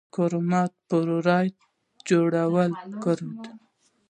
کرومایټ د فولادو په جوړولو کې کارول کیږي.